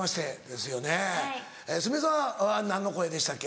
すみれさん何の声でしたっけ？